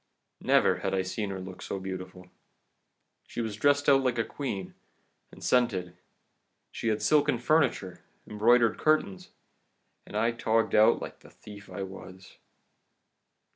Never had I seen her look so beautiful. She was dressed out like a queen, and scented; she had silken furniture, embroidered curtains and I togged out like the thief I was!